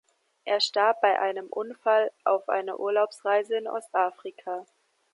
Er starb bei einem Unfall auf einer Urlaubsreise in Ostafrika.